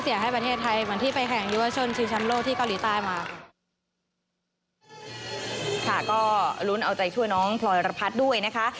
ดีใจว่าจะได้ไม่นึกว่าจะได้สิแต่ว่าแข่งปีแรกแล้วก็อายุน้อยสุดด้วยค่ะ